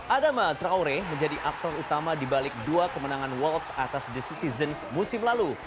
adama traore menjadi aktor utama dibalik dua kemenangan wolves atas the citizens musim lalu